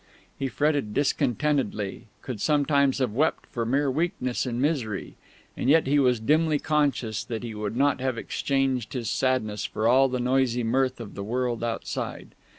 He fretted discontentedly, could sometimes have wept for mere weakness and misery; and yet he was dimly conscious that he would not have exchanged his sadness for all the noisy mirth of the world outside.